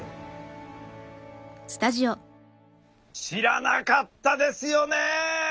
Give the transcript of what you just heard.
知らなかったですよねえ。